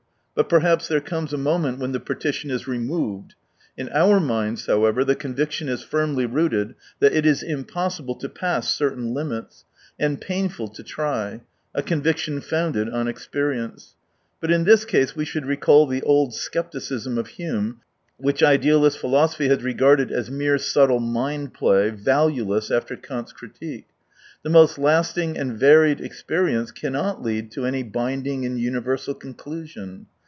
. But perhaps there comes a moment when the partition is removed. In our minds, however, the con viction is firmly rooted that it is impossible to pass certain limits, and painful to try: a conviction founded on experience. But in this case we should recall the old scepticism of Hume, which idealist philosophy has regarded as mere subtle mind play, value less after Kant's critique. The most lasting and varied experience cannot lead to any binding and universal conclusion.